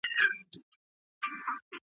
لکه خُم ته د رنګرېز چي وي لوېدلی .